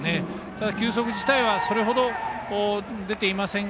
ただ、球速自体はそれほど出ていません。